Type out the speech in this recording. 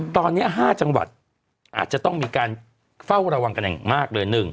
ตอนนี้๕จังหวัดอาจจะต้องมีการเฝ้าระวังกันอย่างมากเลย